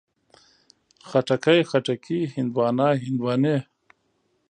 خټکی، خټکي، هندواڼه، هندواڼې